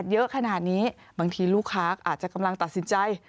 เยอะขนาดนี้บางทีลูกค้าอาจจะกำลังตัดสินใจ